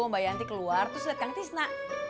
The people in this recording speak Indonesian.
mbak yanti keluar terus lihat kang tisna